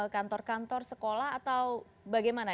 kantor kantor sekolah atau bagaimana